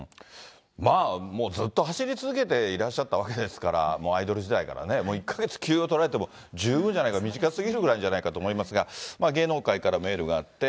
まあ、もうずっと走り続けていらっしゃったわけですから、もうアイドル時代からね、もう１か月休養取られても十分じゃないか、短すぎるぐらいなんじゃないかと思いますが、芸能界からもエールがあって。